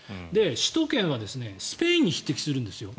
首都圏はスペインに匹敵するんですよ。